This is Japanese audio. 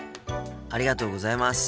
ありがとうございます。